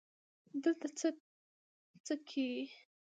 دلته څه که یې